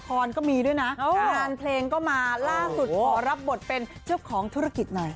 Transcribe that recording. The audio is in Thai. อันละครก็มีด้วยนะอันเพลงก็มาล่าสุดขอรับบทเป็นเชื่อของธุรกิจหน่อย